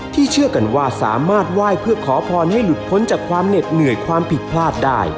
เชื่อกันว่าสามารถไหว้เพื่อขอพรให้หลุดพ้นจากความเหน็ดเหนื่อยความผิดพลาดได้